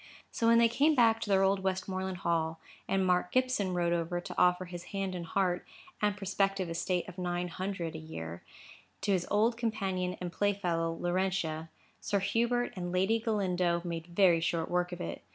So when they came back to their old Westmoreland Hall, and Mark Gibson rode over to offer his hand and his heart, and prospective estate of nine hundred a year, to his old companion and playfellow, Laurentia, Sir Hubert and Lady Galindo made very short work of it.